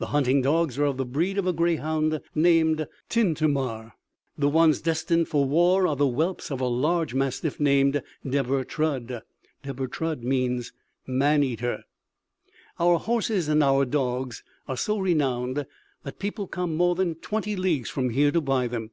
The hunting dogs are of the breed of a greyhound named Tyntammar; the ones destined for war are the whelps of a large mastiff named Deber Trud.[C] Our horses and our dogs are so renowned that people come more than twenty leagues from here to buy them.